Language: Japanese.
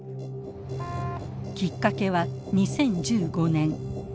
きっかけは２０１５年。